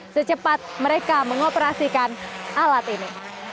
secepat mereka mengoperasikan alat ini